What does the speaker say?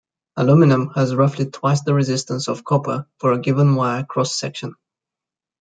Aluminum has roughly twice the resistance of copper for a given wire cross-section.